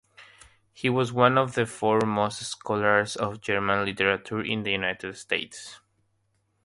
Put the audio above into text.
He was one of the foremost scholars of German literature in the United States.